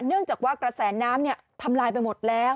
เนื่องจากว่ากระแสน้ำทำลายไปหมดแล้ว